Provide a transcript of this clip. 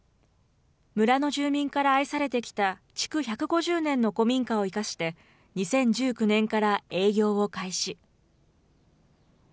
村の住民から愛されてきた築１５０年の古民家を生かして、２０１９年から営業を開始。